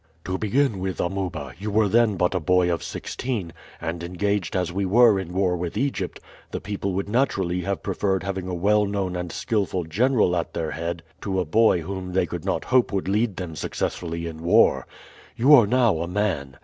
"To begin with, Amuba, you were then but a boy of sixteen, and engaged as we were in war with Egypt, the people would naturally have preferred having a well known and skillful general at their head to a boy whom they could not hope would lead them successfully in war. You are now a man.